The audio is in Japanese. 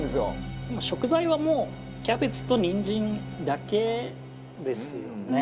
食材はもうキャベツとにんじんだけですよね。